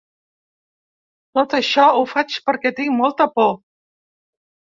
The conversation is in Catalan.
Tot això ho faig perquè tinc molta por.